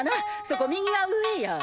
そこ右が上や。